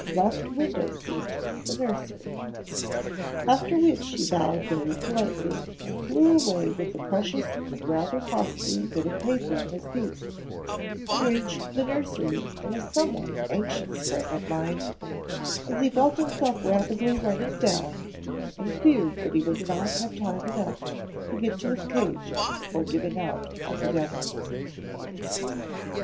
Left Window Seat, The Nursery. After which he bowed very politely and flew away with the precious and rather costly bit of paper in his beak, and reached the nursery in a somewhat anxious frame of mind, as he felt himself rapidly running down and feared that he would not have time enough to get to his cage before giving out altogether.